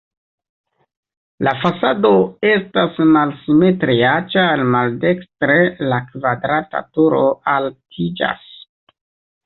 La fasado estas malsimetria, ĉar maldekstre la kvadrata turo altiĝas.